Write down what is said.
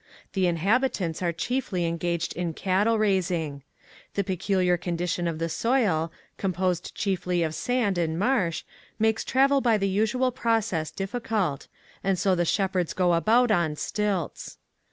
The inhabitants are chiefly engaged in cattle raising. The peculiar condition of the soil, composed chiefly of sand and marsh, makes travel by the usual process difficult, and so the shepherds go about on stilts.